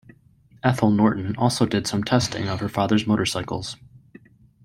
Ethel Norton also did some testing of her father's motorcycles.